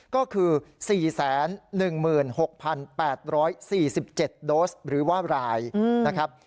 ก็คือ๔๑๖๘๔๗โดสหรือว่ารายนะครับ